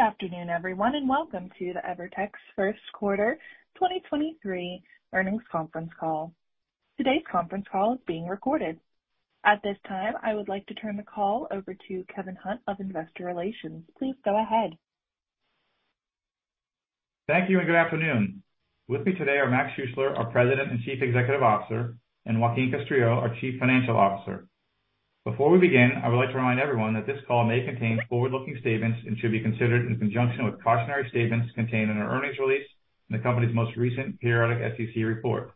Good afternoon, everyone, and welcome to the EVERTEC's First Quarter 2023 Earnings Conference Call. Today's conference call is being recorded. At this time, I would like to turn the call over to Beatriz Brown-Sáenz of Investor Relations. Please go ahead. Thank you. Good afternoon. With me today are Mac Schuessler, our President and Chief Executive Officer, and Joaquín Castrillo, our Chief Financial Officer. Before we begin, I would like to remind everyone that this call may contain forward-looking statements and should be considered in conjunction with cautionary statements contained in our earnings release and the company's most recent periodic SEC report.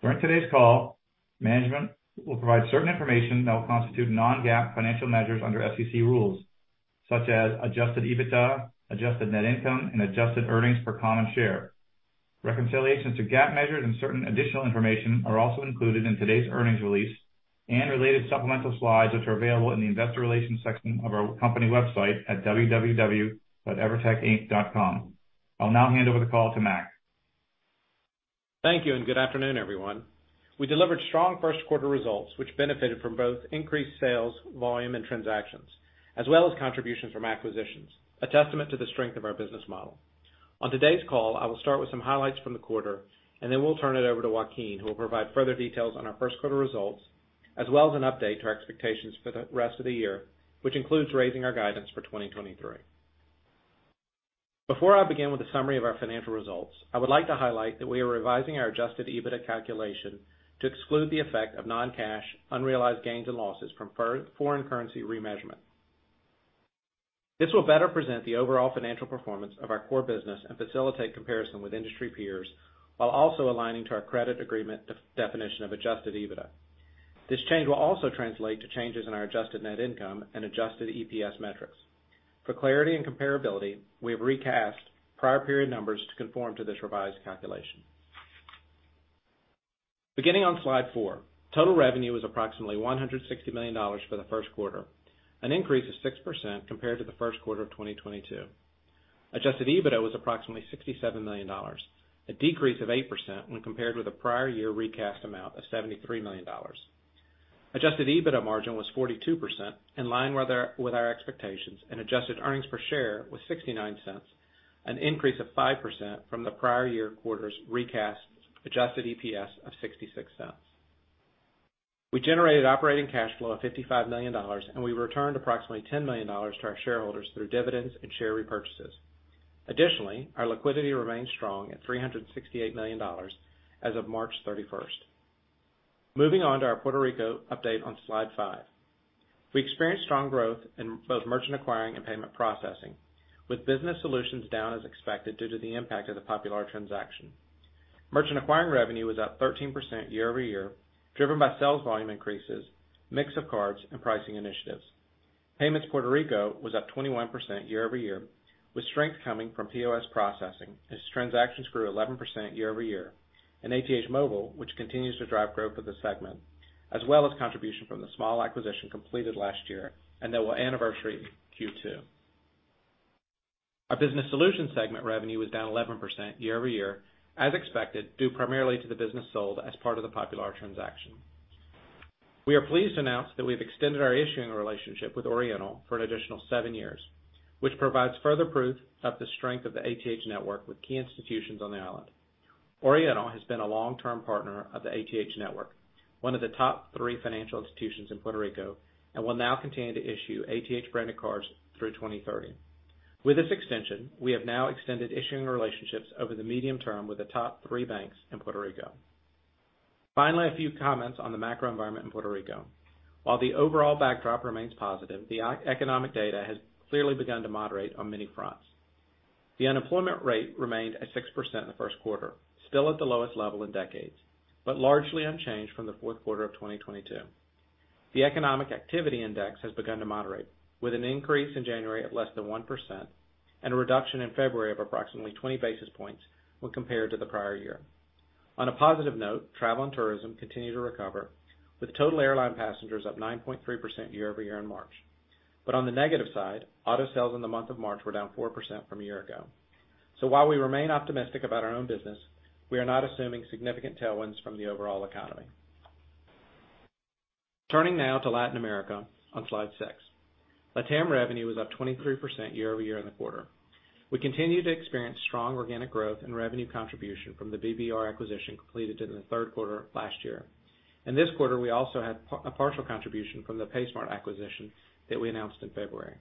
During today's call, management will provide certain information that will constitute non-GAAP financial measures under SEC rules, such as adjusted EBITDA, adjusted net income, and adjusted earnings per common share. Reconciliations to GAAP measures and certain additional information are also included in today's earnings release and related supplemental slides, which are available in the investor relations section of our company website at www.evertecinc.com. I'll now hand over the call to Mac. Thank you. Good afternoon, everyone. We delivered strong first quarter results, which benefited from both increased sales, volume, and transactions, as well as contributions from acquisitions, a testament to the strength of our business model. On today's call, I will start with some highlights from the quarter. Then we'll turn it over to Joaquín, who will provide further details on our first quarter results, as well as an update to our expectations for the rest of the year, which includes raising our guidance for 2023. Before I begin with a summary of our financial results, I would like to highlight that we are revising our adjusted EBITDA calculation to exclude the effect of non-cash unrealized gains and losses from foreign currency remeasurement. This will better present the overall financial performance of our core business and facilitate comparison with industry peers while also aligning to our credit agreement definition of adjusted EBITDA. This change will also translate to changes in our adjusted net income and adjusted EPS metrics. For clarity and comparability, we have recast prior period numbers to conform to this revised calculation. Beginning on slide four, total revenue was approximately $160 million for the first quarter, an increase of 6% compared to the first quarter of 2022. Adjusted EBITDA was approximately $67 million, a decrease of 8% when compared with a prior year recast amount of $73 million. Adjusted EBITDA margin was 42%, in line with our expectations. Adjusted earnings per share was $0.69, an increase of 5% from the prior year quarter's recast adjusted EPS of $0.66. We generated operating cash flow of $55 million, and we returned approximately $10 million to our shareholders through dividends and share repurchases. Additionally, our liquidity remains strong at $368 million as of March 31st. Moving on to our Puerto Rico update on slide five. We experienced strong growth in both merchant acquiring and payment processing, with business solutions down as expected due to the impact of the Popular transaction. Merchant acquiring revenue was up 13% year-over-year, driven by sales volume increases, mix of cards, and pricing initiatives. Payments Puerto Rico was up 21% year-over-year with strength coming from POS processing as transactions grew 11% year-over-year and ATH Móvil, which continues to drive growth of the segment, as well as contribution from the small acquisition completed last year and that will anniversary Q2. Our business solutions segment revenue was down 11% year-over-year as expected, due primarily to the business sold as part of the Popular transaction. We are pleased to announce that we've extended our issuing relationship with Oriental for an additional seven years, which provides further proof of the strength of the ATH network with key institutions on the island. Oriental has been a long-term partner of the ATH network, one of the top three financial institutions in Puerto Rico, and will now continue to issue ATH-branded cards through 2030. With this extension, we have now extended issuing relationships over the medium term with the top three banks in Puerto Rico. Finally, a few comments on the macro environment in Puerto Rico. While the overall backdrop remains positive, the economic data has clearly begun to moderate on many fronts. The unemployment rate remained at 6% in the first quarter, still at the lowest level in decades, but largely unchanged from the fourth quarter of 2022. The economic activity index has begun to moderate, with an increase in January of less than 1% and a reduction in February of approximately 20 basis points when compared to the prior year. On a positive note, travel and tourism continue to recover, with total airline passengers up 9.3% year-over-year in March. On the negative side, auto sales in the month of March were down 4% from a year ago. While we remain optimistic about our own business, we are not assuming significant tailwinds from the overall economy. Turning now to Latin America on slide six. LatAm revenue was up 23% year-over-year in the quarter. We continue to experience strong organic growth and revenue contribution from the BBR acquisition completed in the third quarter of last year. In this quarter, we also had a partial contribution from the Paysmart acquisition that we announced in February.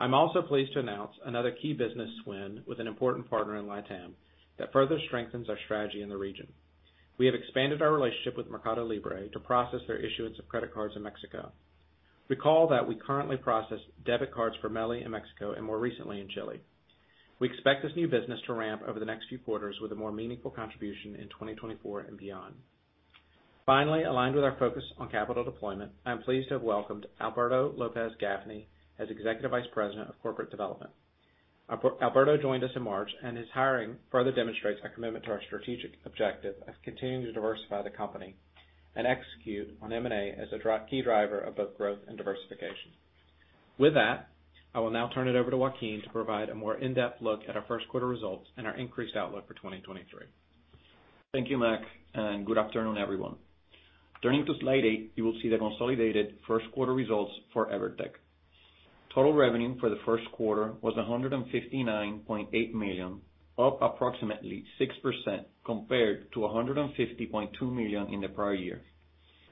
I'm also pleased to announce another key business win with an important partner in LatAm that further strengthens our strategy in the region. We have expanded our relationship with Mercado Libre to process their issuance of credit cards in Mexico. Recall that we currently process debit cards for MELI in Mexico and more recently in Chile. We expect this new business to ramp over the next few quarters with a more meaningful contribution in 2024 and beyond. Aligned with our focus on capital deployment, I am pleased to have welcomed Alberto López Gaffney as Executive Vice President of Corporate Development. Alberto joined us in March, his hiring further demonstrates our commitment to our strategic objective of continuing to diversify the company and execute on M&A as a key driver of both growth and diversification. I will now turn it over to Joaquín to provide a more in-depth look at our first quarter results and our increased outlook for 2023. Thank you, Mac. Good afternoon, everyone. Turning to slide eight, you will see the consolidated first quarter results for EVERTEC. Total revenue for the first quarter was $159.8 million, up approximately 6% compared to $150.2 million in the prior year.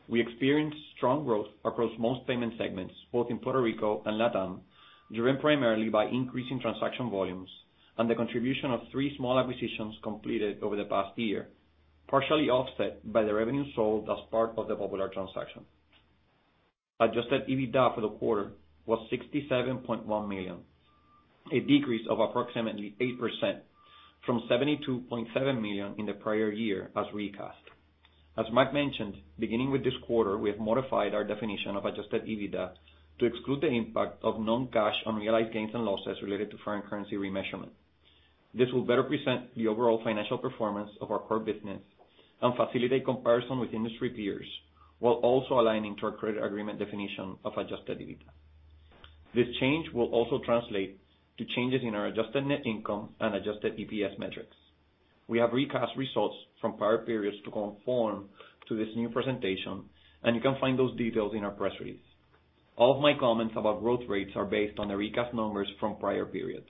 We experienced strong growth across most payment segments, both in Puerto Rico and LatAm, driven primarily by increasing transaction volumes and the contribution of three small acquisitions completed over the past year, partially offset by the revenue sold as part of the Popular transaction. Adjusted EBITDA for the quarter was $67.1 million, a decrease of approximately 8% from $72.7 million in the prior year as recast. As Mac mentioned, beginning with this quarter, we have modified our definition of adjusted EBITDA to exclude the impact of non-cash unrealized gains and losses related to foreign currency remeasurement. This will better present the overall financial performance of our core business and facilitate comparison with industry peers, while also aligning to our credit agreement definition of adjusted EBITDA. This change will also translate to changes in our adjusted net income and adjusted EPS metrics. We have recast results from prior periods to conform to this new presentation, and you can find those details in our press release. All of my comments about growth rates are based on the recast numbers from prior periods.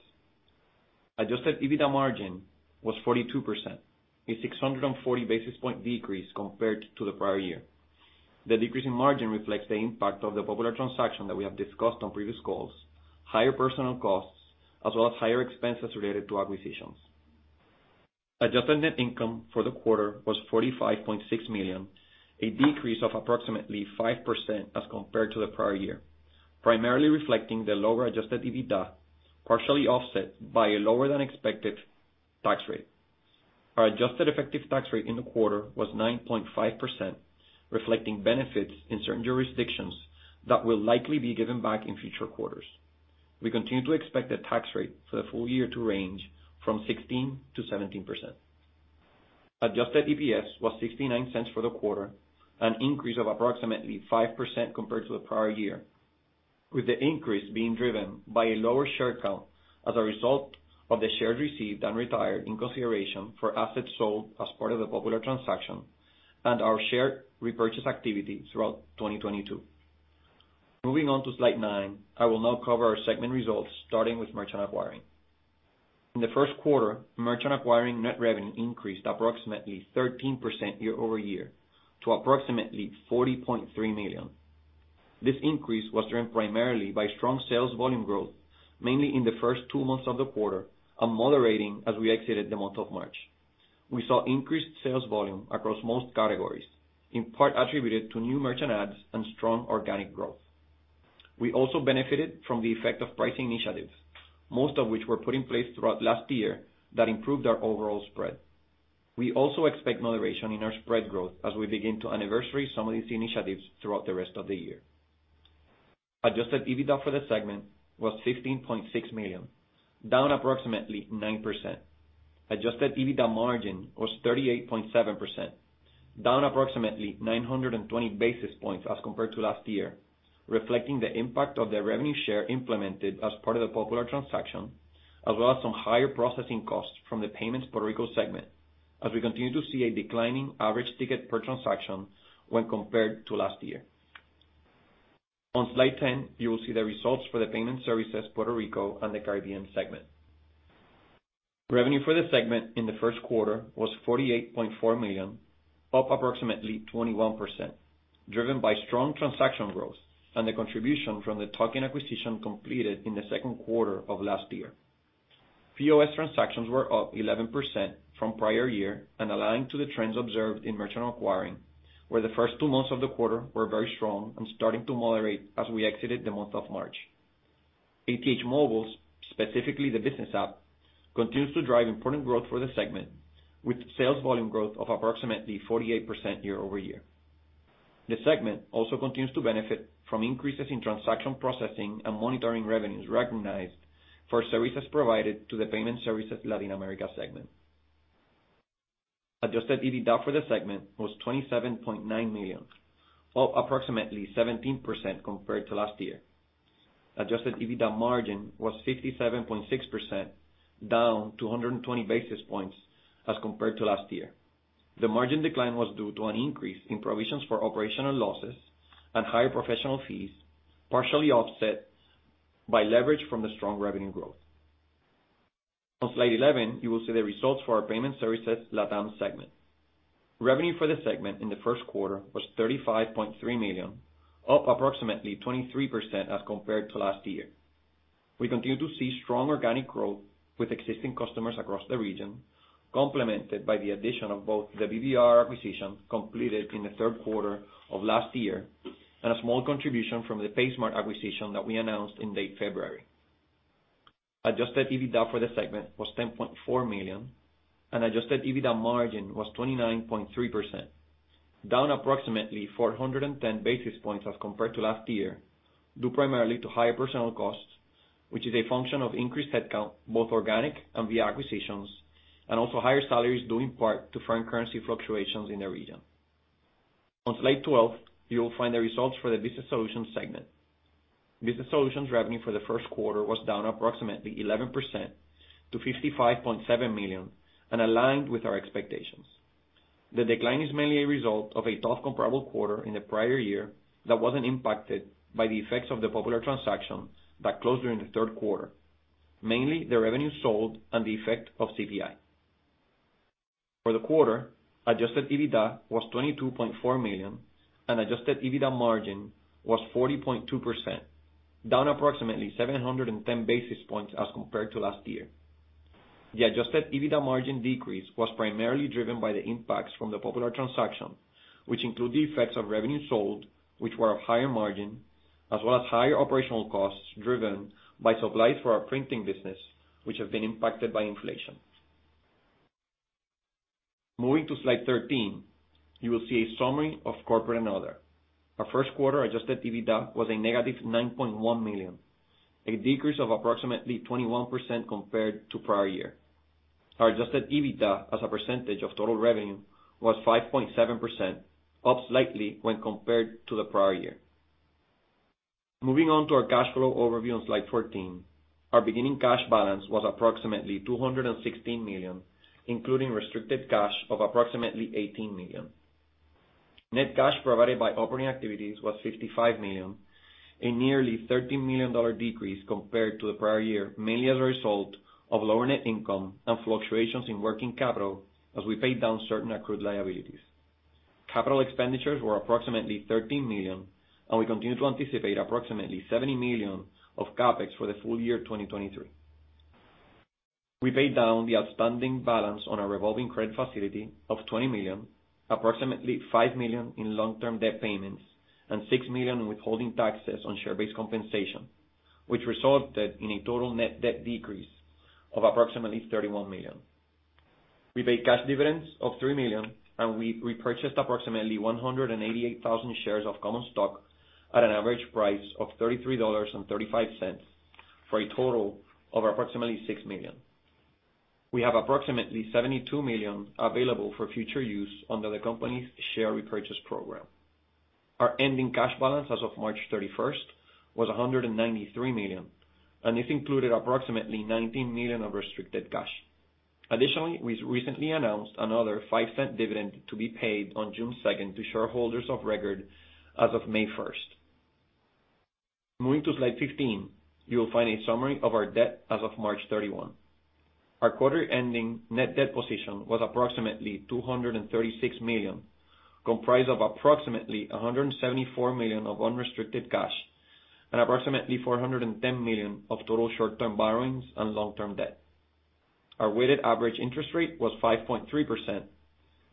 Adjusted EBITDA margin was 42%, a 640 basis point decrease compared to the prior year. The decrease in margin reflects the impact of the Popular transaction that we have discussed on previous calls, higher personal costs, as well as higher expenses related to acquisitions. Adjusted net income for the quarter was $45.6 million, a decrease of approximately 5% as compared to the prior year, primarily reflecting the lower adjusted EBITDA, partially offset by a lower than expected tax rate. Our adjusted effective tax rate in the quarter was 9.5%, reflecting benefits in certain jurisdictions that will likely be given back in future quarters. We continue to expect the tax rate for the full year to range from 16%-17%. Adjusted EPS was $0.69 for the quarter, an increase of approximately 5% compared to the prior year, with the increase being driven by a lower share count as a result of the shares received and retired in consideration for assets sold as part of the Popular transaction and our share repurchase activity throughout 2022. Moving on to slide 9, I will now cover our segment results, starting with merchant acquiring. In the first quarter, merchant acquiring net revenue increased approximately 13% year-over-year to approximately $40.3 million. This increase was driven primarily by strong sales volume growth, mainly in the first two months of the quarter, and moderating as we exited the month of March. We saw increased sales volume across most categories, in part attributed to new merchant ads and strong organic growth. We also benefited from the effect of pricing initiatives, most of which were put in place throughout last year that improved our overall spread. We also expect moderation in our spread growth as we begin to anniversary some of these initiatives throughout the rest of the year. Adjusted EBITDA for the segment was $16.6 million, down approximately 9%. Adjusted EBITDA margin was 38.7%, down approximately 920 basis points as compared to last year, reflecting the impact of the revenue share implemented as part of the Popular transaction, as well as some higher processing costs from the payments Puerto Rico segment, as we continue to see a declining average ticket per transaction when compared to last year. On slide 10, you will see the results for the payment services Puerto Rico and the Caribbean segment. Revenue for the segment in the first quarter was $48.4 million, up approximately 21%, driven by strong transaction growth and the contribution from the tuck-in acquisition completed in the second quarter of last year. POS transactions were up 11% from prior year and aligned to the trends observed in merchant acquiring, where the first two months of the quarter were very strong and starting to moderate as we exited the month of March. ATH Móvil, specifically the business app, continues to drive important growth for the segment, with sales volume growth of approximately 48% year-over-year. The segment also continues to benefit from increases in transaction processing and monitoring revenues recognized for services provided to the payment services Latin America segment. Adjusted EBITDA for the segment was $27.9 million, up approximately 17% compared to last year. Adjusted EBITDA margin was 57.6%, down 220 basis points as compared to last year. The margin decline was due to an increase in provisions for operational losses and higher professional fees, partially offset by leverage from the strong revenue growth. On slide 11, you will see the results for our payment services LatAm segment. Revenue for the segment in the first quarter was $35.3 million, up approximately 23% as compared to last year. We continue to see strong organic growth with existing customers across the region, complemented by the addition of both the BBR acquisition completed in the third quarter of last year and a small contribution from the Paysmart acquisition that we announced in late February. Adjusted EBITDA for the segment was $10.4 million and adjusted EBITDA margin was 29.3%, down approximately 410 basis points as compared to last year, due primarily to higher personal costs, which is a function of increased headcount, both organic and via acquisitions, and also higher salaries, due in part to foreign currency fluctuations in the region. On slide 12, you will find the results for the Business Solutions segment. Business Solutions revenue for the first quarter was down approximately 11% to $55.7 million and aligned with our expectations. The decline is mainly a result of a tough comparable quarter in the prior year that wasn't impacted by the effects of the Popular transaction that closed during the third quarter. Mainly, the revenue sold and the effect of CPI. For the quarter, adjusted EBITDA was $22.4 million and adjusted EBITDA margin was 40.2%, down approximately 710 basis points as compared to last year. The adjusted EBITDA margin decrease was primarily driven by the impacts from the Popular transaction, which include the effects of revenue sold, which were of higher margin, as well as higher operational costs driven by supplies for our printing business, which have been impacted by inflation. Moving to slide 13, you will see a summary of corporate and other. Our first quarter adjusted EBITDA was a negative $9.1 million, a decrease of approximately 21% compared to prior year. Our adjusted EBITDA as a percentage of total revenue was 5.7%, up slightly when compared to the prior year. Moving on to our cash flow overview on slide 14. Our beginning cash balance was approximately $216 million, including restricted cash of approximately $18 million. Net cash provided by operating activities was $55 million, a nearly $13 million decrease compared to the prior year, mainly as a result of lower net income and fluctuations in working capital as we paid down certain accrued liabilities. Capital expenditures were approximately $13 million, and we continue to anticipate approximately $70 million of CapEx for the full year 2023. We paid down the outstanding balance on our revolving credit facility of $20 million, approximately $5 million in long-term debt payments, and $6 million in withholding taxes on share-based compensation, which resulted in a total net debt decrease of approximately $31 million. We paid cash dividends of $3 million, and we repurchased approximately 188,000 shares of common stock at an average price of $33.35, for a total of approximately $6 million. We have approximately $72 million available for future use under the company's share repurchase program. Our ending cash balance as of March 31st was $193 million, and this included approximately $19 million of restricted cash. Additionally, we recently announced another $0.05 dividend to be paid on June 2nd to shareholders of record as of May 1st. Moving to slide 15, you will find a summary of our debt as of March 31. Our quarter-ending net debt position was approximately $236 million, comprised of approximately $174 million of unrestricted cash and approximately $410 million of total short-term borrowings and long-term debt. Our weighted average interest rate was 5.3%.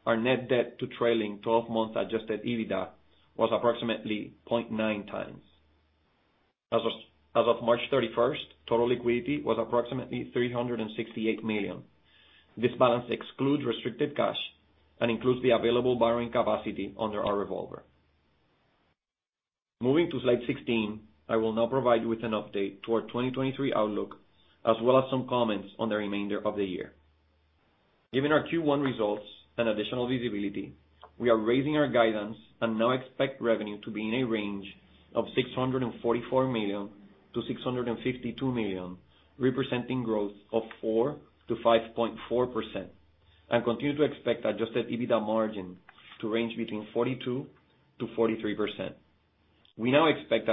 Our net debt to trailing twelve-month adjusted EBITDA was approximately 0.9x. As of March 31st, total liquidity was approximately $368 million. This balance excludes restricted cash and includes the available borrowing capacity under our revolver. Moving to slide 16, I will now provide you with an update to our 2023 outlook as well as some comments on the remainder of the year. Given our Q1 results and additional visibility, we are raising our guidance and now expect revenue to be in a range of $644 million-$652 million, representing growth of 4%-5.4%, and continue to expect adjusted EBITDA margin to range between 42%-43%. We now expect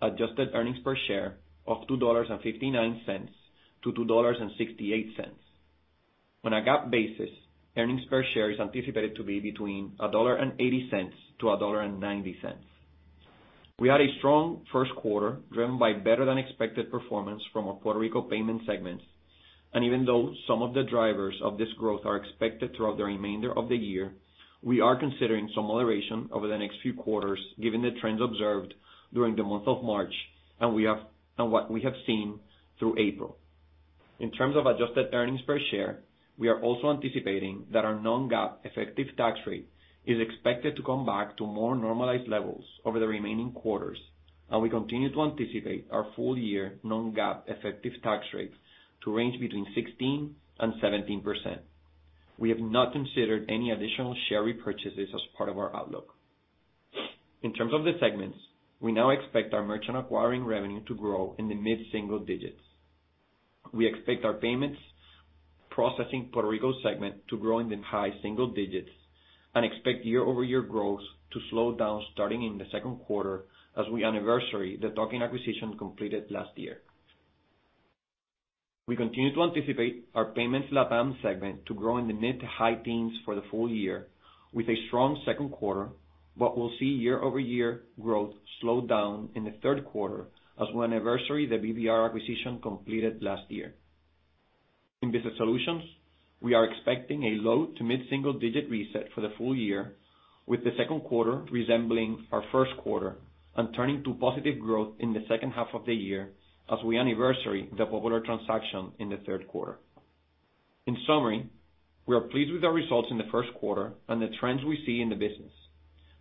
adjusted earnings per share of $2.59-$2.68. On a GAAP basis, earnings per share is anticipated to be between $1.80 and $1.90. We had a strong first quarter driven by better than expected performance from our Puerto Rico payment segments. Even though some of the drivers of this growth are expected throughout the remainder of the year, we are considering some moderation over the next few quarters given the trends observed during the month of March and what we have seen through April. In terms of adjusted earnings per share, we are also anticipating that our non-GAAP effective tax rate is expected to come back to more normalized levels over the remaining quarters, and we continue to anticipate our full year non-GAAP effective tax rate to range between 16% and 17%. We have not considered any additional share repurchases as part of our outlook. In terms of the segments, we now expect our merchant acquiring revenue to grow in the mid-single digits. We expect our Payments Processing Puerto Rico segment to grow in the high single digits and expect year-over-year growth to slow down starting in the second quarter as we anniversary the tuck-in acquisition completed last year. We continue to anticipate our Payments LatAm segment to grow in the mid-to-high teens for the full year with a strong second quarter, but we'll see year-over-year growth slow down in the third quarter as we anniversary the BBR acquisition completed last year. In Business Solutions, we are expecting a low-to-mid single-digit reset for the full year, with the second quarter resembling our first quarter and turning to positive growth in the second half of the year as we anniversary the Popular transaction in the third quarter. In summary, we are pleased with our results in the first quarter and the trends we see in the business.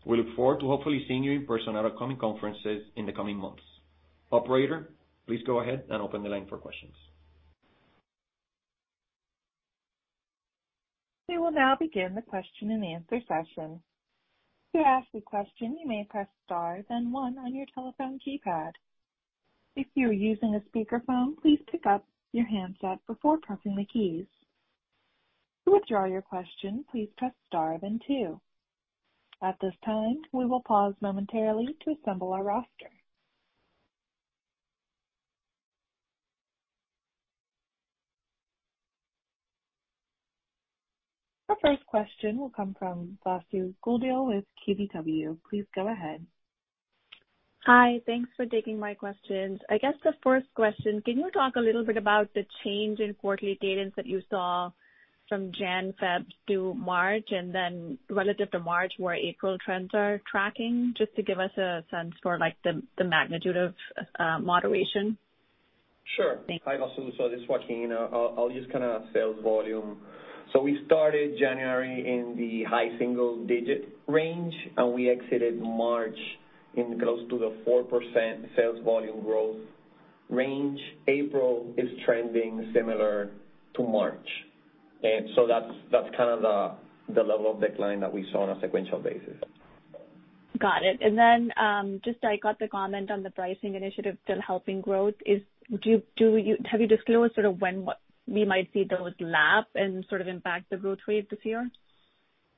We look forward to hopefully seeing you in person at our coming conferences in the coming months. Operator, please go ahead and open the line for questions. We will now begin the question and answer session. To ask a question, you may press star then one on your telephone keypad. If you are using a speakerphone, please pick up your handset before pressing the keys. To withdraw your question, please press star then two. At this time, we will pause momentarily to assemble our roster. The first question will come from Vasu Govil with KBW. Please go ahead. Hi. Thanks for taking my questions. I guess the first question, can you talk a little bit about the change in quarterly guidance that you saw from January, February to March, and then relative to March, where April trends are tracking? Just to give us a sense for, like, the magnitude of moderation. Sure. Thank you. Hi, Vasu. This is Joaquín. I'll use kind of sales volume. We started January in the high single digit range, we exited March in close to the 4% sales volume growth range. April is trending similar to March. That's kind of the level of decline that we saw on a sequential basis. Got it. Just I got the comment on the pricing initiative still helping growth. Have you disclosed sort of when what we might see those lap and sort of impact the growth rate this year?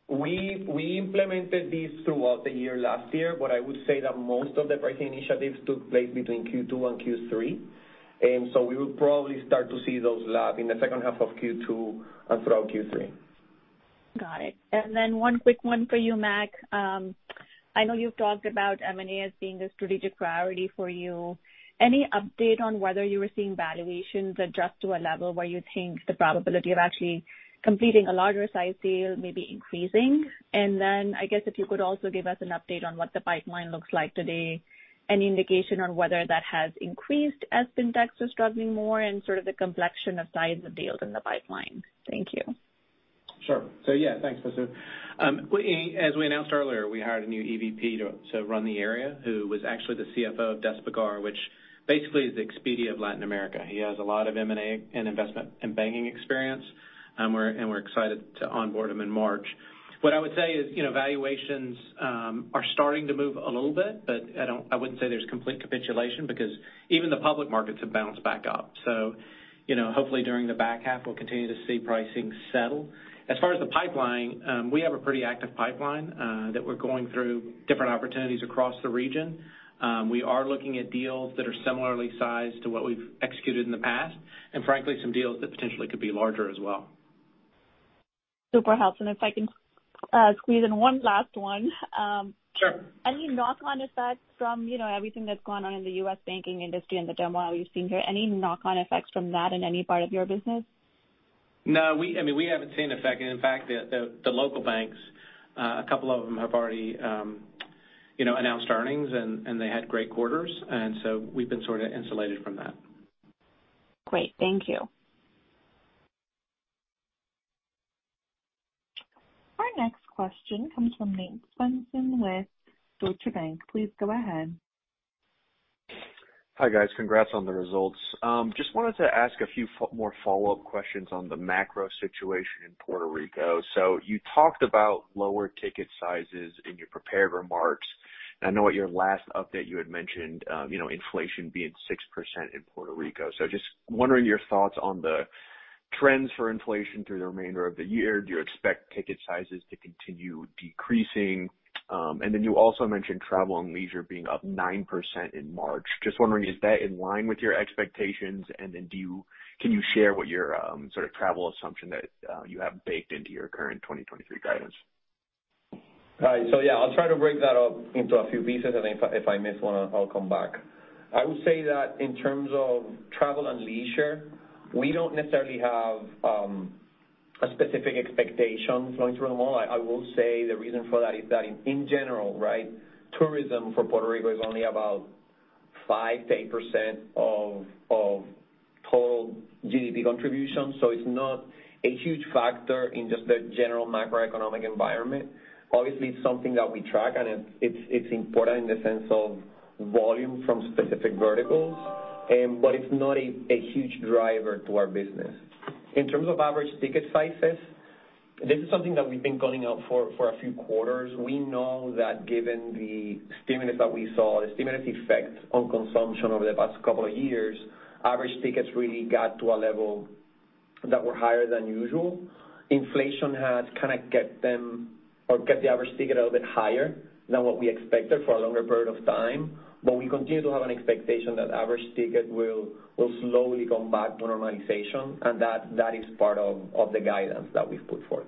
We implemented these throughout the year last year, but I would say that most of the pricing initiatives took place between Q2 and Q3. We will probably start to see those lap in the second half of Q2 and throughout Q3. Got it. One quick one for you, Mac. I know you've talked about M&A as being a strategic priority for you. Any update on whether you were seeing valuations adjust to a level where you think the probability of actually completing a larger size deal may be increasing? I guess if you could also give us an update on what the pipeline looks like today, any indication on whether that has increased as fintechs are struggling more and sort of the complexion of size of deals in the pipeline. Thank you. Yeah, thanks, Vasu. As we announced earlier, we hired a new EVP to run the area, who was actually the CFO of Despegar, which basically is the Expedia of Latin America. He has a lot of M&A and investment and banking experience, and we're excited to onboard him in March. What I would say is, you know, valuations are starting to move a little bit, but I wouldn't say there's complete capitulation because even the public markets have bounced back up. You know, hopefully during the back half, we'll continue to see pricing settle. As far as the pipeline, we have a pretty active pipeline that we're going through different opportunities across the region. We are looking at deals that are similarly sized to what we've executed in the past, and frankly, some deals that potentially could be larger as well. Super helpful. If I can squeeze in one last one. Sure. Any knock-on effects from, you know, everything that's gone on in the U.S. banking industry and the turmoil you've seen here, any knock-on effects from that in any part of your business? No. I mean, we haven't seen effect. In fact, the local banks, a couple of them have already, you know, announced earnings and they had great quarters. We've been sort of insulated from that. Great. Thank you. Our next question comes from Nate Svensson from Deutsche Bank Please go ahead. Hi, guys. Congrats on the results. Just wanted to ask a few more follow-up questions on the macro situation in Puerto Rico. You talked about lower ticket sizes in your prepared remarks. I know at your last update you had mentioned, you know, inflation being 6% in Puerto Rico. Just wondering your thoughts on the trends for inflation through the remainder of the year. Do you expect ticket sizes to continue decreasing? You also mentioned travel and leisure being up 9% in March. Just wondering, is that in line with your expectations? Can you share what your sort of travel assumption that you have baked into your current 2023 guidance? All right. Yeah, I'll try to break that up into a few pieces, and if I miss one, I'll come back. I would say that in terms of travel and leisure, we don't necessarily have a specific expectation flowing through the model. I will say the reason for that is that in general, right, tourism for Puerto Rico is only about 5% to 8% of total GDP contribution. It's not a huge factor in just the general macroeconomic environment. Obviously, it's something that we track, and it's important in the sense of volume from specific verticals, but it's not a huge driver to our business. In terms of average ticket sizes, this is something that we've been calling out for a few quarters. We know that given the stimulus that we saw, the stimulus effect on consumption over the past couple of years, average tickets really got to a level that were higher than usual. Inflation has kinda kept them or kept the average ticket a little bit higher than what we expected for a longer period of time. We continue to have an expectation that average ticket will slowly come back to normalization, and that is part of the guidance that we've put forth.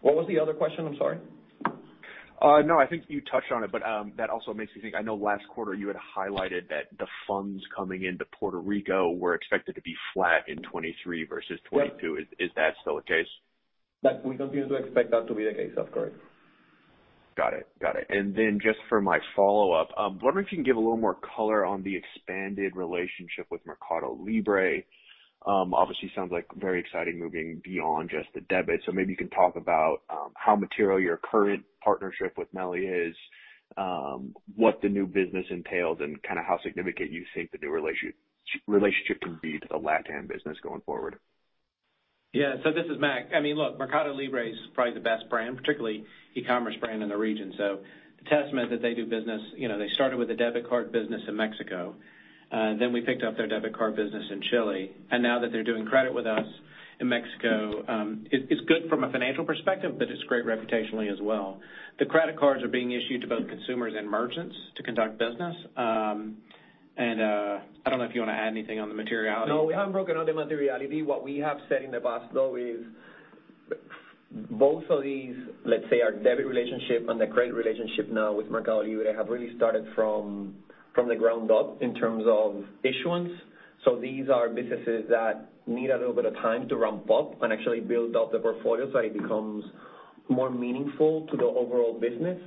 What was the other question? I'm sorry. No, I think you touched on it, but that also makes me think. I know last quarter you had highlighted that the funds coming into Puerto Rico were expected to be flat in 2023 versus 2022. Yep. Is that still the case? That we continue to expect that to be the case. That's correct. Got it. Then just for my follow-up, wondering if you can give a little more color on the expanded relationship with Mercado Libre. Obviously sounds like very exciting moving beyond just the debit. Maybe you can talk about, how material your current partnership with MELI is, what the new business entails, and kinda how significant you think the new relationship can be to the LatAm business going forward. Yeah. This is Mac. I mean, look, Mercado Libre is probably the best brand, particularly e-commerce brand in the region. The testament that they do business, you know, they started with the debit card business in Mexico, then we picked up their debit card business in Chile, and now that they're doing credit with us in Mexico, it's good from a financial perspective, but it's great reputationally as well. The credit cards are being issued to both consumers and merchants to conduct business. I don't know if you wanna add anything on the materiality. No, we haven't broken on the materiality. What we have said in the past, though, is both of these, let's say, our debit relationship and the credit relationship now with Mercado Libre, have really started from the ground up in terms of issuance. These are businesses that need a little bit of time to ramp up and actually build out the portfolio so it becomes more meaningful to the overall business.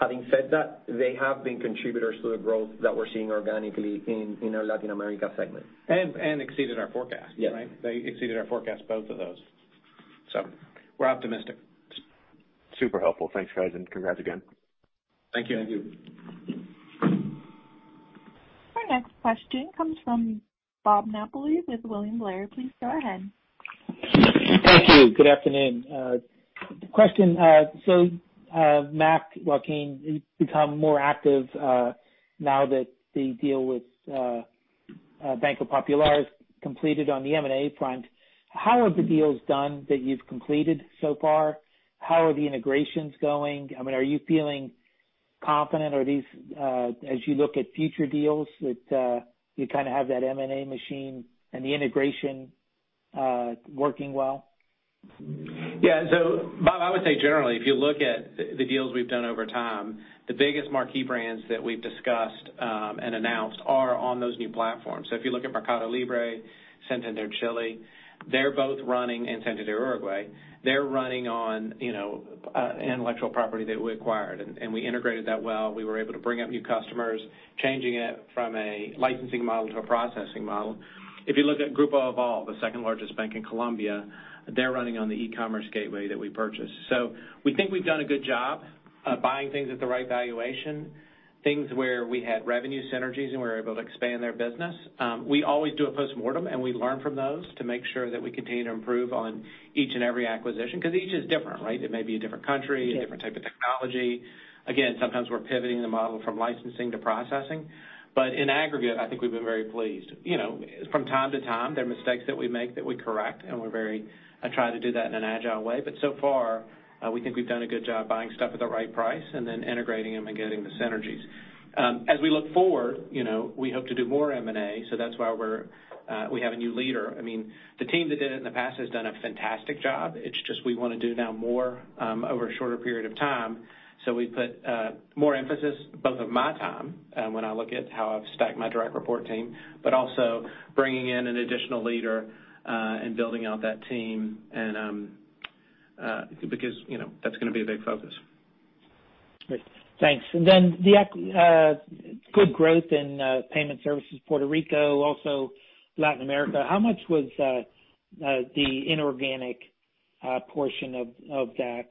Having said that, they have been contributors to the growth that we're seeing organically in our Latin America segment. Exceeded our forecast, right? Yes. They exceeded our forecast, both of those. We're optimistic. Super helpful. Thanks, guys, and congrats again. Thank you. Thank you. Our next question comes from Bob Napoli with William Blair. Please go ahead. Thank you. Good afternoon. Question. Mac, Joaquín, you've become more active, now that the deal with Banco Popular is completed on the M&A front. How are the deals done that you've completed so far? How are the integrations going? I mean, are you feeling confident? Are these, as you look at future deals that, you kinda have that M&A machine and the integration working well? Bob, I would say generally, if you look at the deals we've done over time, the biggest marquee brands that we've discussed, and announced are on those new platforms. If you look at Mercado Libre, Getnet Chile, they're both running and Getnet Uruguay, they're running on, you know, intellectual property that we acquired, and we integrated that well. We were able to bring up new customers, changing it from a licensing model to a processing model. If you look at Grupo Aval, the second-largest bank in Colombia, they're running on the eCommerce gateway that we purchased. We think we've done a good job, buying things at the right valuation, things where we had revenue synergies and we were able to expand their business. We always do a postmortem, and we learn from those to make sure that we continue to improve on each and every acquisition, 'cause each is different, right? It may be a different country- Yeah. A different type of technology. Again, sometimes we're pivoting the model from licensing to processing. In aggregate, I think we've been very pleased. You know, from time to time, there are mistakes that we make that we correct, and I try to do that in an agile way. So far, we think we've done a good job buying stuff at the right price and then integrating them and getting the synergies. As we look forward, you know, we hope to do more M&A, so that's why we're, we have a new leader. I mean, the team that did it in the past has done a fantastic job. It's just we wanna do now more over a shorter period of time. We put more emphasis, both of my time, when I look at how I've stacked my direct report team, but also bringing in an additional leader, and building out that team and, because, you know, that's gonna be a big focus. Great. Thanks. Good growth in payment services, Puerto Rico, also Latin America. How much was the inorganic portion of that?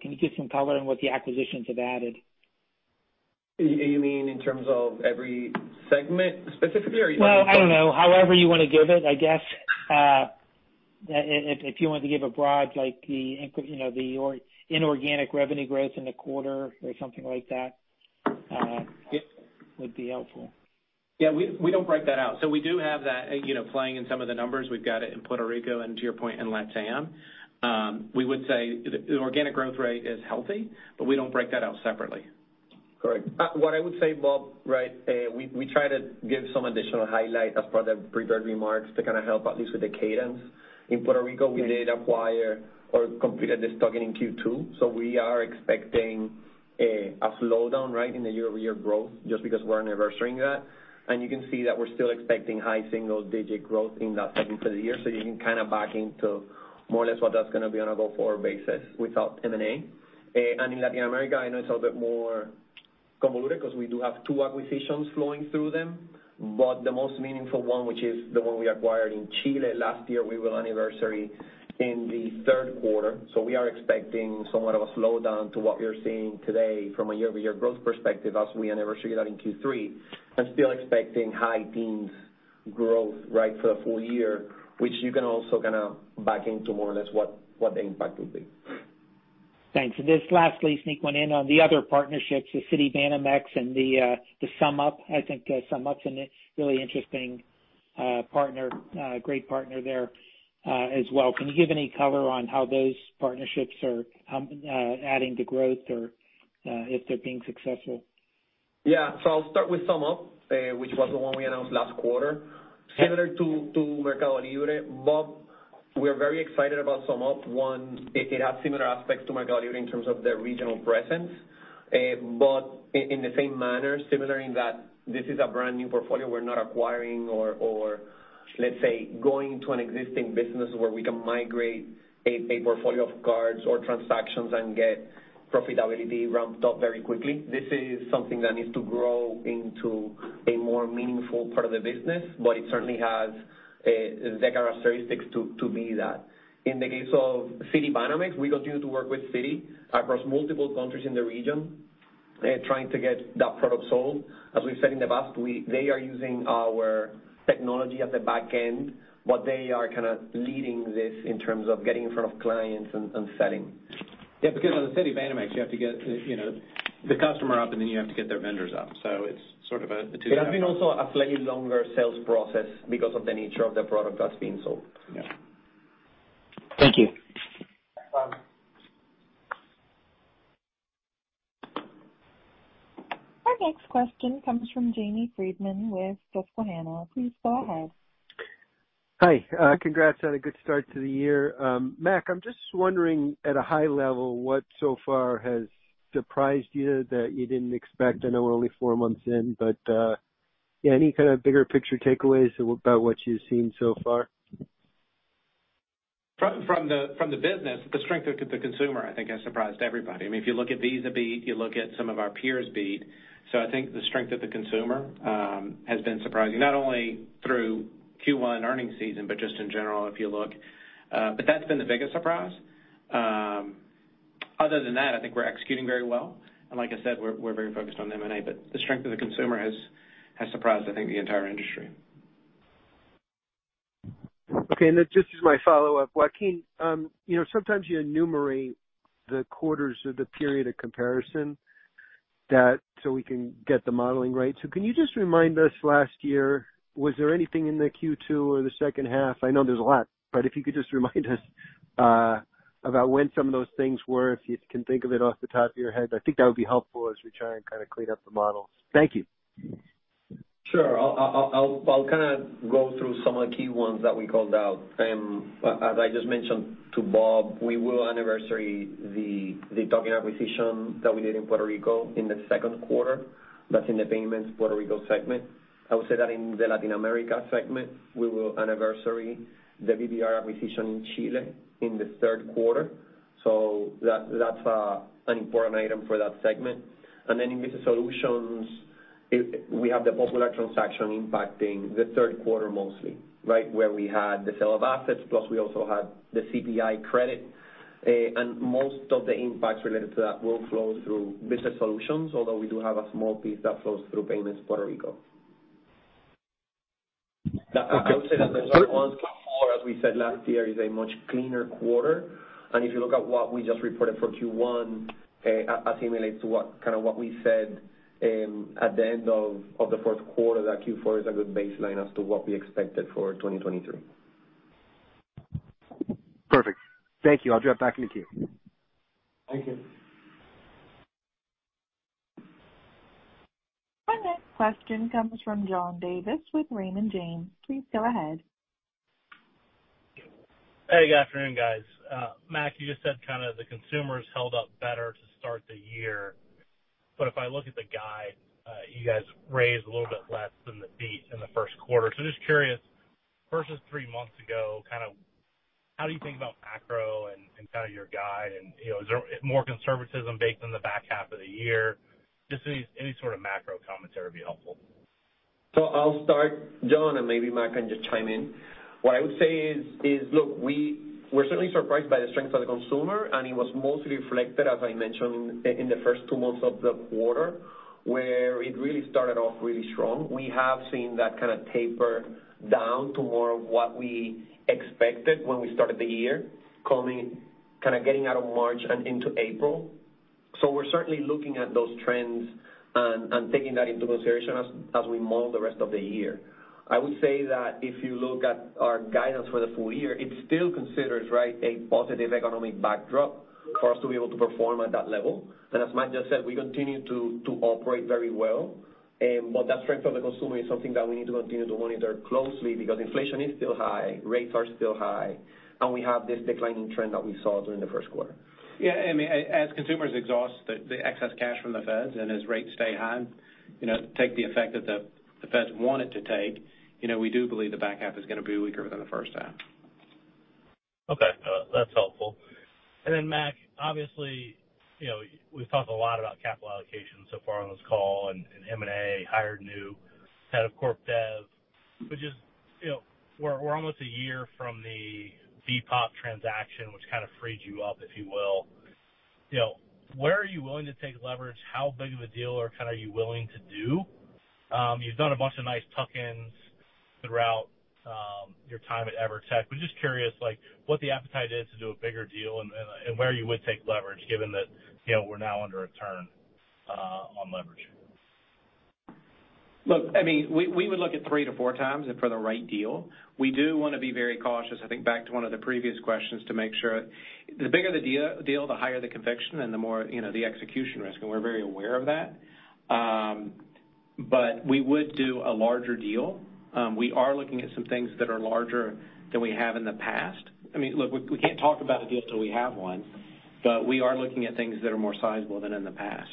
Can you give some color on what the acquisitions have added? You mean in terms of every segment specifically? Well, I don't know. However you wanna give it. I guess, if you want to give a broad, like you know, inorganic revenue growth in the quarter or something like that, would be helpful. Yeah. We don't break that out. We do have that, you know, playing in some of the numbers. We've got it in Puerto Rico and to your point, in LatAm. We would say the organic growth rate is healthy, but we don't break that out separately. Correct. What I would say, Bob, right, we try to give some additional highlight as part of prepared remarks to kind of help at least with the cadence. In Puerto Rico. Okay. We did acquire or completed the tuck-in in Q2. We are expecting a slowdown, right, in the year-over-year growth just because we're anniversarying that. You can see that we're still expecting high single digit growth in that segment of the year, so you can kinda back into more or less what that's gonna be on a go-forward basis without M&A. In Latin America, I know it's a bit more convoluted 'cause we do have two acquisitions flowing through them. The most meaningful one, which is the one we acquired in Chile last year, we will anniversary in the third quarter. We are expecting somewhat of a slowdown to what we're seeing today from a year-over-year growth perspective as we anniversary that in Q3. I'm still expecting high teens growth, right, for the full year, which you can also kinda back into more or less what the impact would be. Thanks. Just lastly, sneak one in on the other partnerships with Citibanamex and the SumUp. I think SumUp's a really interesting partner, great partner there as well. Can you give any color on how those partnerships are adding to growth or if they're being successful? I'll start with SumUp, which was the one we announced last quarter. Similar to Mercado Libre, Bob, we're very excited about SumUp. One, it has similar aspects to Mercado Libre in terms of their regional presence. But in the same manner, similar in that this is a brand-new portfolio we're not acquiring or let's say, going to an existing business where we can migrate a portfolio of cards or transactions and get profitability ramped up very quickly. This is something that needs to grow into a more meaningful part of the business, but it certainly has the characteristics to be that. In the case of Citibanamex, we continue to work with Citi across multiple countries in the region. Trying to get that product sold. As we've said in the past, they are using our technology at the back end, but they are kind of leading this in terms of getting in front of clients and selling. Yeah, because on the Citibanamex, you have to get, you know, the customer up, and then you have to get their vendors up. It's sort of a two-sided- It has been also a slightly longer sales process because of the nature of the product that's being sold. Yeah. Thank you. Thanks, Bob. Our next question comes from Jamie Friedman with Susquehanna. Please go ahead. Hi. Congrats on a good start to the year. Mac, I'm just wondering, at a high level, what so far has surprised you that you didn't expect? I know we're only four months in, but, yeah, any kind of bigger picture takeaways about what you've seen so far? From the business, the strength of the consumer, I think, has surprised everybody. I mean, if you look at VisaBeat, you look at some of our peers beat. I think the strength of the consumer has been surprising, not only through Q1 earnings season, but just in general, if you look. That's been the biggest surprise. Other than that, I think we're executing very well. Like I said, we're very focused on M&A, but the strength of the consumer has surprised, I think, the entire industry. Okay. Just as my follow-up, Joaquín, you know, sometimes you enumerate the quarters or the period of comparison so we can get the modeling right. Can you just remind us last year, was there anything in the Q2 or the second half? I know there's a lot, but if you could just remind us about when some of those things were, if you can think of it off the top of your head. I think that would be helpful as we try and kinda clean up the models. Thank you. Sure. I'll kind of go through some of the key ones that we called out. As I just mentioned to Bob, we will anniversary the tuck-in acquisition that we did in Puerto Rico in the second quarter. That's in the Payments Puerto Rico segment. I would say that in the Latin America segment, we will anniversary the BBR acquisition in Chile in the third quarter. That's an important item for that segment. Then in Business Solutions, we have the Popular transaction impacting the third quarter mostly, right, where we had the sale of assets, plus we also had the CPI credit. Most of the impacts related to that will flow through Business Solutions, although we do have a small piece that flows through Payments Puerto Rico. Okay. I would say that the third one, Q4, as we said last year, is a much cleaner quarter. If you look at what we just reported for Q1, assimilates to kind of what we said at the end of the fourth quarter, that Q4 is a good baseline as to what we expected for 2023. Perfect. Thank you. I'll drop back in the queue. Thank you. Our next question comes from John Davis with Raymond James. Please go ahead. Hey, good afternoon, guys. Mac, you just said kinda the consumer's held up better to start the year. If I look at the guide, you guys raised a little bit less than the beat in the first quarter. Just curious, versus three months ago, kind of how do you think about macro and kind of your guide and, you know, is there more conservatism baked in the back half of the year? Just any sort of macro commentary would be helpful. I'll start, John, and maybe Mac can just chime in. What I would say is, look, we were certainly surprised by the strength of the consumer, and it was mostly reflected, as I mentioned, in the first two months of the quarter, where it really started off really strong. We have seen that kind of taper down to more of what we expected when we started the year, kinda getting out of March and into April. We're certainly looking at those trends and taking that into consideration as we model the rest of the year. I would say that if you look at our guidance for the full year, it still considers, right, a positive economic backdrop for us to be able to perform at that level. As Mac just said, we continue to operate very well. That strength of the consumer is something that we need to continue to monitor closely because inflation is still high, rates are still high, and we have this declining trend that we saw during the first quarter. Yeah. I mean, as consumers exhaust the excess cash from the feds and as rates stay high, you know, take the effect that the feds want it to take, you know, we do believe the back half is gonna be weaker than the first half. Okay. That's helpful. Then, Mac, obviously, you know, we're almost a year from the BPOP transaction, which kind of freed you up, if you will. You know, where are you willing to take leverage? How big of a deal or kind are you willing to do? You've done a bunch of nice tuck-ins throughout your time at EVERTEC. Just curious, like, what the appetite is to do a bigger deal and where you would take leverage given that, you know, we're now under a turn on leverage. Look, I mean, we would look at 3x to 4x if for the right deal. We do wanna be very cautious, I think back to one of the previous questions, to make sure the bigger the deal, the higher the conviction and the more, you know, the execution risk, we're very aware of that. We would do a larger deal. We are looking at some things that are larger than we have in the past. I mean, look, we can't talk about a deal till we have one, but we are looking at things that are more sizable than in the past.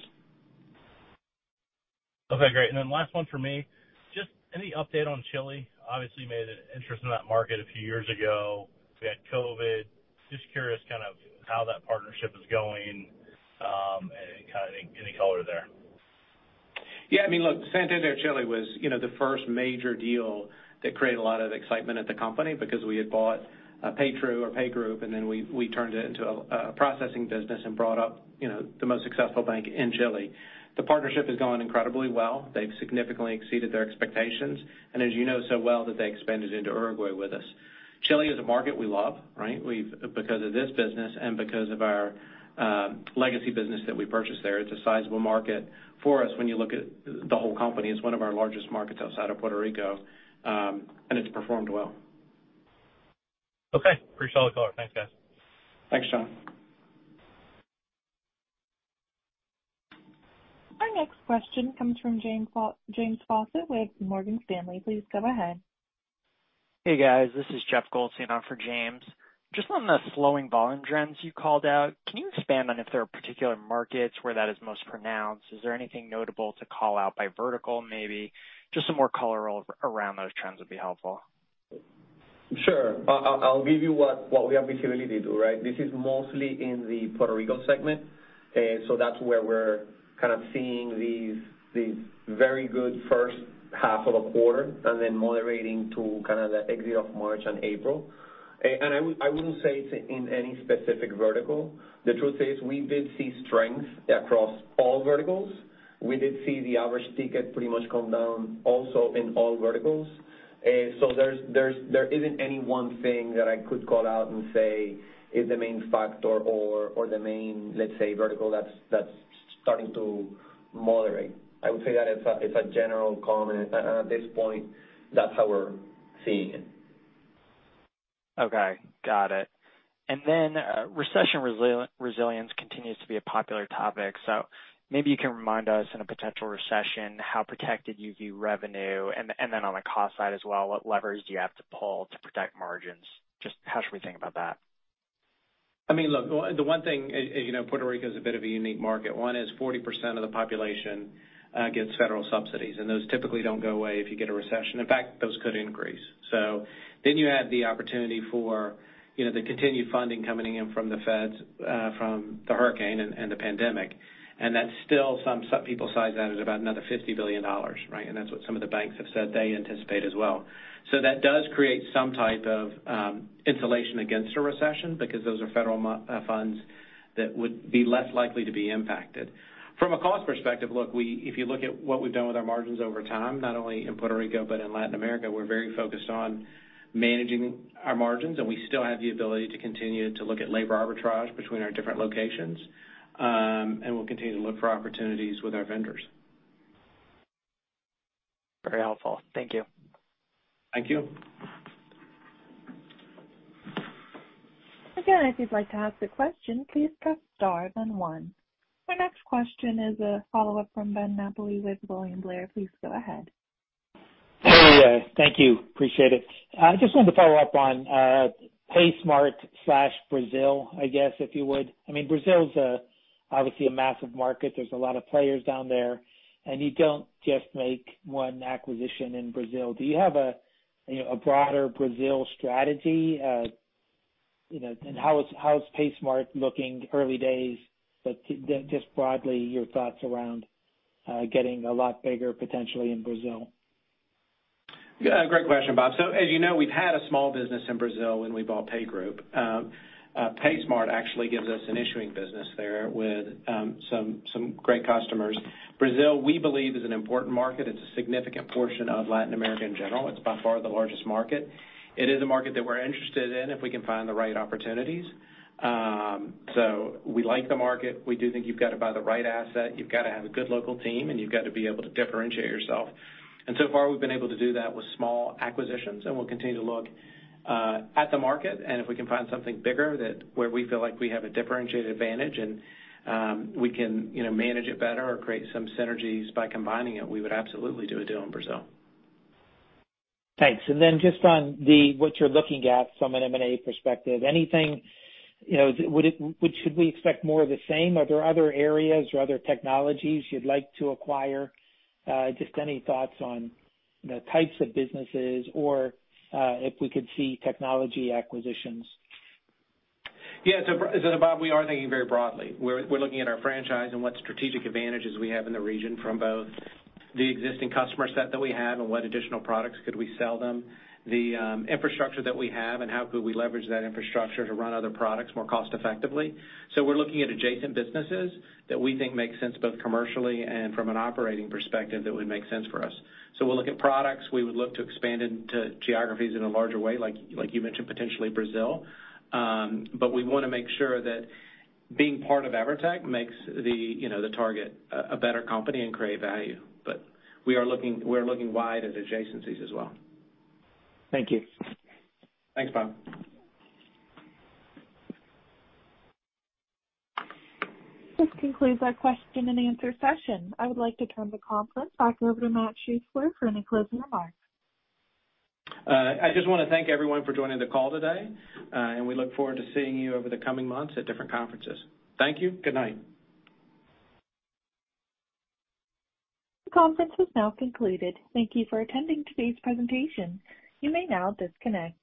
Okay, great. Last one for me. Just any update on Chile? Obviously, you made an interest in that market a few years ago. We had COVID. Just curious kind of how that partnership is going, and kind of any color there. Yeah, I mean, look, Santander Chile was, you know, the first major deal that created a lot of excitement at the company because we had bought PayTrue or PayGroup, and then we turned it into a processing business and brought up, you know, the most successful bank in Chile. The partnership has gone incredibly well. They've significantly exceeded their expectations. As you know so well, that they expanded into Uruguay with us. Chile is a market we love, right? Because of this business and because of our legacy business that we purchased there, it's a sizable market for us when you look at the whole company. It's one of our largest markets outside of Puerto Rico, and it's performed well. Okay. Appreciate the call. Thanks, guys. Thanks, John. Our next question comes from James Faucette with Morgan Stanley. Please go ahead. Hey, guys. This is Jeff Goldstein on for James. Just on the slowing volume trends you called out, can you expand on if there are particular markets where that is most pronounced? Is there anything notable to call out by vertical maybe? Just some more color around those trends would be helpful. Sure. I'll give you what we have visibility to, right? This is mostly in the Puerto Rico segment. That's where we're kind of seeing very good first half of the quarter and then moderating to kind of the exit of March and April. I wouldn't say it's in any specific vertical. The truth is we did see strength across all verticals. We did see the average ticket pretty much come down also in all verticals. There's there isn't any one thing that I could call out and say is the main factor or the main, let's say vertical that's starting to moderate. I would say that it's a general comment. At this point, that's how we're seeing it. Okay. Got it. Recession resilience continues to be a popular topic. Maybe you can remind us in a potential recession, how protected you view revenue. On the cost side as well, what levers do you have to pull to protect margins? Just how should we think about that? I mean, look, the one thing, you know, Puerto Rico is a bit of a unique market. One is 40% of the population, gets federal subsidies, and those typically don't go away if you get a recession. In fact, those could increase. You add the opportunity for, you know, the continued funding coming in from the Feds, from the hurricane and the pandemic, and that's still people size that at about another $50 billion, right? That's what some of the banks have said they anticipate as well. That does create some type of insulation against a recession because those are federal funds that would be less likely to be impacted. From a cost perspective, look, if you look at what we've done with our margins over time, not only in Puerto Rico but in Latin America, we're very focused on managing our margins, and we still have the ability to continue to look at labor arbitrage between our different locations. We'll continue to look for opportunities with our vendors. Very helpful. Thank you. Thank you. Again, if you'd like to ask a question, please press star then one. Our next question is a follow-up from Bob Napoli with William Blair. Please go ahead. Hey, thank you. Appreciate it. I just wanted to follow up on Paysmart/Brazil, I guess, if you would. I mean, Brazil is obviously a massive market. There's a lot of players down there. You don't just make one acquisition in Brazil. Do you have a, you know, a broader Brazil strategy? You know, and how is Paysmart looking early days, but just broadly, your thoughts around getting a lot bigger potentially in Brazil? Yeah, great question, Bob. As you know, we've had a small business in Brazil when we bought PayGroup. Paysmart actually gives us an issuing business there with some great customers. Brazil, we believe, is an important market. It's a significant portion of Latin America in general. It's by far the largest market. It is a market that we're interested in if we can find the right opportunities. We like the market. We do think you've got to buy the right asset, you've got to have a good local team, and you've got to be able to differentiate yourself. So far, we've been able to do that with small acquisitions, and we'll continue to look at the market. If we can find something bigger that where we feel like we have a differentiated advantage and, we can, you know, manage it better or create some synergies by combining it, we would absolutely do a deal in Brazil. Thanks. Just on the what you're looking at from an M&A perspective, anything, you know, should we expect more of the same? Are there other areas or other technologies you'd like to acquire? Just any thoughts on the types of businesses or if we could see technology acquisitions. Bob, we are thinking very broadly. We're looking at our franchise and what strategic advantages we have in the region from both the existing customer set that we have and what additional products could we sell them, the infrastructure that we have, and how could we leverage that infrastructure to run other products more cost effectively. We're looking at adjacent businesses that we think make sense both commercially and from an operating perspective that would make sense for us. We'll look at products. We would look to expand into geographies in a larger way, like you mentioned, potentially Brazil. We wanna make sure that being part of EVERTEC makes the, you know, the target a better company and create value. We are looking, we are looking wide at adjacencies as well. Thank you. Thanks, Bob. This concludes our question and answer session. I would like to turn the conference back over to Mac Schuessler for any closing remarks. I just wanna thank everyone for joining the call today, we look forward to seeing you over the coming months at different conferences. Thank you. Good night. The conference is now concluded. Thank you for attending today's presentation. You may now disconnect.